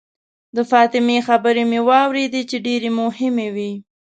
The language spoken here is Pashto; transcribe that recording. د فاطمې خبرې مې واورېدې چې ډېرې مهمې وې.